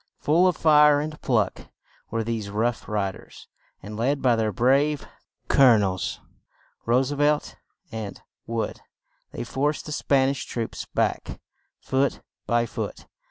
Full of fire and pluck were these "Rough Ri ders," and led by their brave colo nels, Roose velt and Wood, they forced the Span ish troops back, foot by foot.